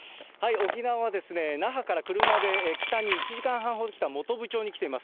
沖縄は那覇から車で北に１時間半ほど来た本部町に来ています。